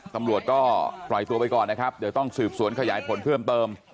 ตำรวจก็ปล่อยตัวไปก่อนนะครับเดี๋ยวต้องสืบสวนขยายผลเพิ่มเติม